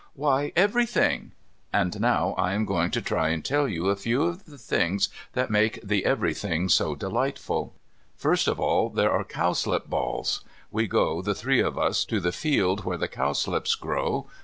Why, everything." And now I am going to try to tell you a few of the things that make the everything so delightful. First of all there are cowslip balls. We go, the three of us, to the field where the cowslips grow.